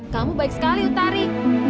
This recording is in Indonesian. kamu baik sekali utari